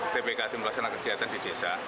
tpk tim pelaksana kegiatan di desa